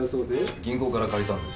銀行から借りたんですよ。